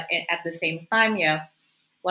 tapi pada saat yang sama